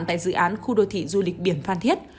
tại dự án khu đô thị du lịch biển phan thiết